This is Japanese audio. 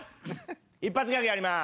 一発ギャグやります。